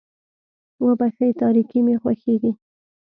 وبښئ تاريکي مې خوښېږي.